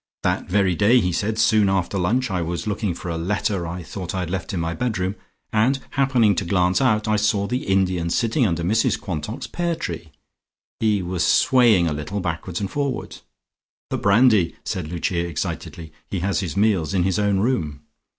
"That very day," he said, "soon after lunch, I was looking for a letter I thought I had left in my bedroom, and happening to glance out, I saw the Indian sitting under Mrs Quantock's pear tree. He was swaying a little backwards and forwards." "The brandy!" said Lucia excitedly. "He has his meals in his own room."